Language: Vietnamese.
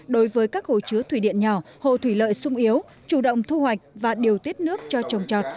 đối với các hồ chứa thủy điện nhỏ hồ thủy lợi sung yếu chủ động thu hoạch và điều tiết nước cho trồng trọt